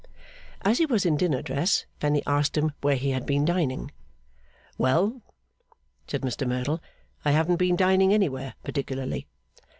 As he was in dinner dress, Fanny asked him where he had been dining? 'Well,' said Mr Merdle, 'I haven't been dining anywhere, particularly.